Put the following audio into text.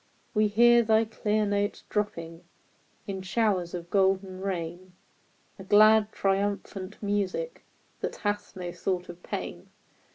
We hear thy clear notes dropping In showers of golden rain, A glad, triumphant music That hath no thought of pain